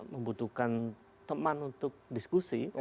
membutuhkan teman untuk diskusi